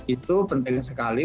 itu penting sekali